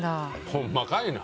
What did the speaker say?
ホンマかいな。